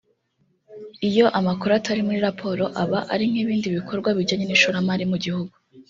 Iyo amakuru atari muri raporo aba ari nk’ibindi bikorwa bijyanye n’ishoramari mu gihugu